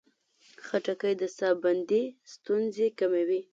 خټکی د ساه بندي ستونزې کموي.